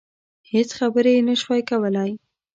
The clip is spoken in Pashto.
هېڅ خبرې يې نشوای کولای.